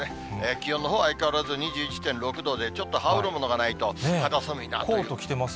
気温のほうは相変わらず２１．６度で、ちょっと羽織るものがないコート着てます？